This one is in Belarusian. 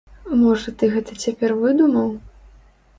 Можа ты гэта цяпер выдумаў?